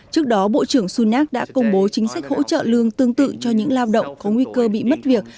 trước đó bộ trưởng sunak đã công bố chính sách hỗ trợ lương tương tự cho những lao động có nguy cơ bị mất việc